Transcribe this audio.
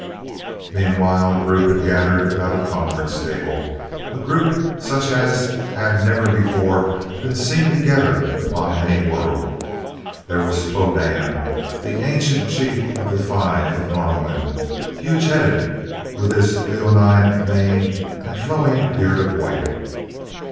Meanwhile a group had gathered about a conference table a group such as had never before been seen together upon any world. There was Fodan, the ancient Chief of the Five of Norlamin, huge headed, with his leonine mane and flowing beard of white.